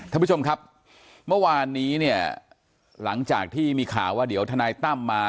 ท่านผู้ชมครับเมื่อวานนี้เนี่ยหลังจากที่มีข่าวว่าเดี๋ยวทนายตั้มมา